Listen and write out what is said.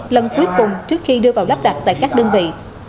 lần cuối cùng trước khi đưa vào lắp đặt tại các đơn vị